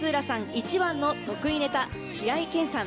一番の得意ネタ平井堅さん。